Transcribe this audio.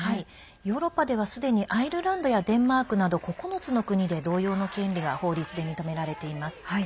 ヨーロッパでは、すでにアイルランドやデンマークなど９つの国で同様の権利が法律で認められています。